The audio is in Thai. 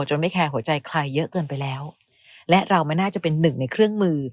ไม่แคร์หัวใจใครเยอะเกินไปแล้วและเราไม่น่าจะเป็นหนึ่งในเครื่องมือ